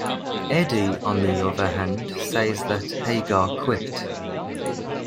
Eddie, on the other hand, says that Hagar quit.